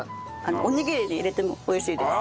おにぎりに入れても美味しいです。